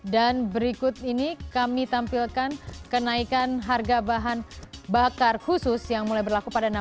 dan berikut ini kami tampilkan kenaikan harga bahan bakar khusus yang mulai berkembang